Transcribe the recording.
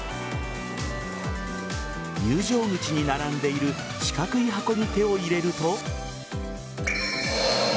入場口に並んでいる四角い箱に手を入れると。